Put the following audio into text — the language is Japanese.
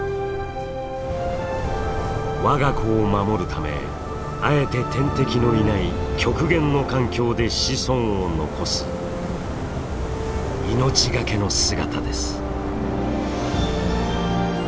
我が子を守るためあえて天敵のいない極限の環境で子孫を残す命がけの姿です。